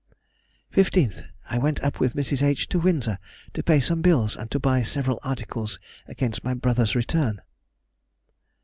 15th. I went up with Mrs. H. to Windsor to pay some bills and to buy several articles against my brother's return.